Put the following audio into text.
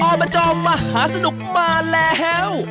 อบจมหาสนุกมาแล้ว